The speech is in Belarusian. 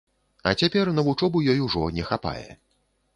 А цяпер на вучобу ёй ўжо не хапае.